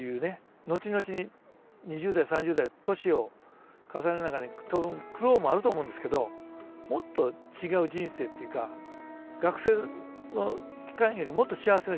後々２０代３０代年を重ねる中で苦労もあると思うんですけどもっと違う人生というか学生の期間よりもっと幸せな人生は先に待ってるという。